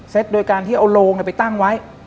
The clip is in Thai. โดยการที่เอาโลงไปตั้งไว้